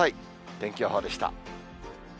天気予報でした。